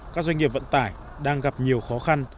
các doanh nghiệp vận tải đang gặp nhiều khó khăn